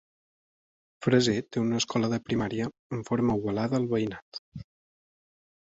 Fraser té una escola de primària amb forma ovalada al veïnat.